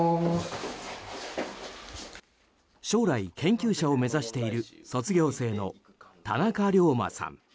将来、研究者を目指している卒業生の田中良磨さん。